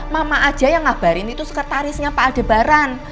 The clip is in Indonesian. mama aja yang ngabarin itu sekretarisnya pak adebaran